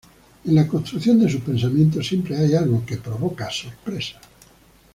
En la construcción de sus pensamientos siempre hay algo que provoca sorpresa.